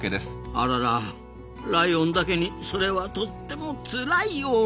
あららライオンだけにそれはとってもつらいおん。